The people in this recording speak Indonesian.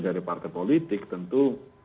dari partai politik tentu